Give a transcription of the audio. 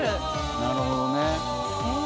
なるほどね。